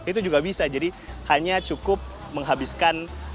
itu juga bisa jadi hanya cukup menghabiskan